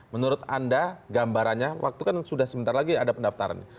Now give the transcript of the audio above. menurut anda gambarannya waktu kan sudah sebentar lagi ada pendaftaran